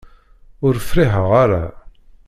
Ur friḥeɣ ara.